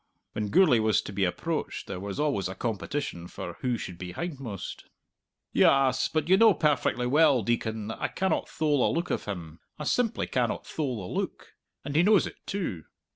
When Gourlay was to be approached there was always a competition for who should be hindmost. "Yass, but you know perfectly well, Deacon, that I cannot thole the look of him. I simply cannot thole the look. And he knows it too.